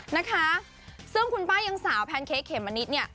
นะคะซึ่งคุณป้ายังสาวแพนเค้กเขมมะนิดเนี่ย